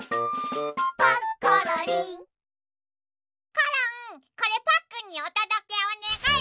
コロンこれパックンにおとどけおねがい。